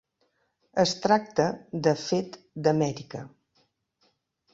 Es tracta de fet d'Amèrica.